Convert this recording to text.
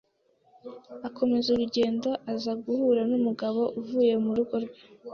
Akomeza urugendo, aza guhura n' umugabo uvuye mu rugo rwe,